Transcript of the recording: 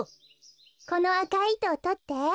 このあかいいとをとって。